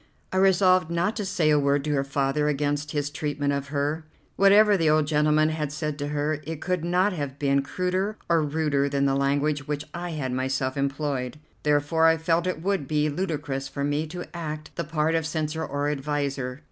I resolved not to say a word to her father against his treatment of her. Whatever the old gentleman had said to her, it could not have been cruder or ruder than the language which I had myself employed. Therefore I felt it would be ludicrous for me to act the part of censor or adviser.